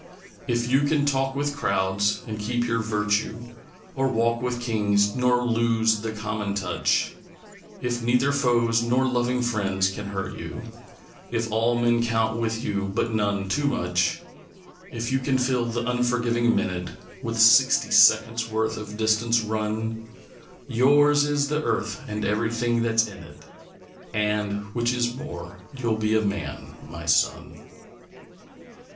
If you can talk with crowds and keep your virtue, Or walk with Kings nor lose the common touch; If neither foes nor loving friends can hurt you, If all men count with you, but none too much; If you can fill the unforgiving minute With sixty seconds' worth of distance run, Yours is the Earth and everything that's in it, And which is more you'll be a Man, my son!